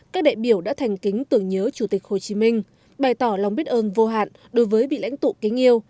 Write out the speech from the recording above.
các đại biểu đã thành kính tưởng nhớ chủ tịch hồ chí minh bày tỏ lòng biết ơn vô hạn đối với vị lãnh tụ kính yêu